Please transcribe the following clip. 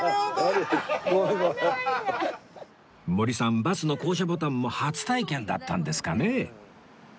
森さんバスの降車ボタンも初体験だったんですかね